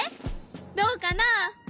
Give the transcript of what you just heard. どうかな？